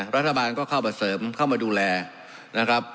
รัฐบาลก็เข้ามาเสริมเข้ามาดูแลนะครับ